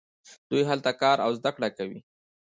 دوی هلته کار او زده کړه کوي.